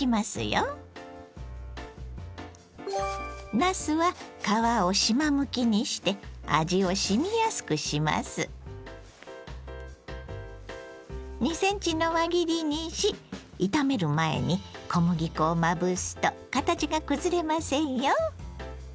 なすは２ｃｍの輪切りにし炒める前に小麦粉をまぶすと形が崩れませんよ。